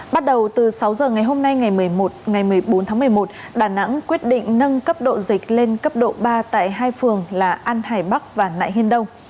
bắt đầu từ sáu giờ ngày hôm nay ngày một mươi bốn tháng một mươi một đà nẵng quyết định nâng cấp độ dịch lên cấp độ ba tại hai phường là an hải bắc và nại hiên đông